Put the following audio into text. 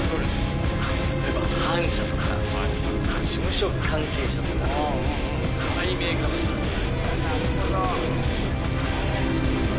例えば反社とか事務所関係者とか売名彼女とか。